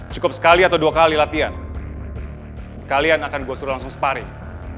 cukup sekali atau dua kali latihan kalian akan gue suruh langsung sparring